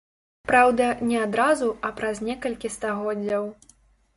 Праўда, не адразу, а праз некалькі стагоддзяў.